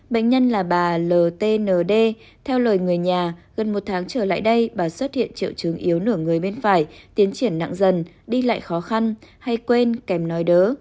bệnh nhân là bà l t n d theo lời người nhà gần một tháng trở lại đây bà xuất hiện triệu chứng yếu nửa người bên phải tiến triển nặng dần đi lại khó khăn hay quên kèm nói đỡ